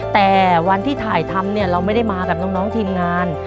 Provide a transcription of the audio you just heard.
แต่วันที่ถ่ายทำเนี่ยเราไม่ได้มากับน้องทีมงาน